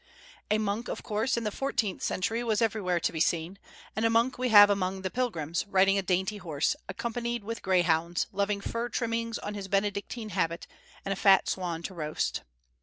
A monk, of course, in the fourteenth century was everywhere to be seen; and a monk we have among the pilgrims, riding a "dainty" horse, accompanied with greyhounds, loving fur trimmings on his Benedictine habit and a fat swan to roast.